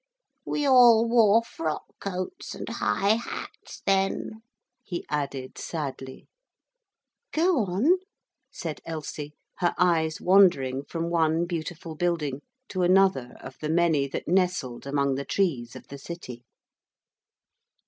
We all wore frock coats and high hats then,' he added sadly. 'Go on,' said Elsie, her eyes wandering from one beautiful building to another of the many that nestled among the trees of the city.